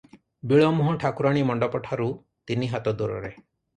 ବିଳମୁହଁ ଠାକୁରାଣୀ ମଣ୍ତପଠାରୁ ତିନି ହାତ ଦୂରରେ ।